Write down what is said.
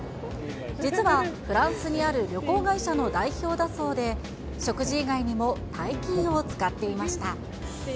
実はフランスにある旅行会社の代表だそうで、食事以外にも大金を使っていました。